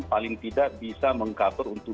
paling tidak bisa mengkabur untuk